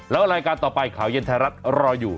แล้วรายการต่อไปข่าวเย็นไทยรัฐรออยู่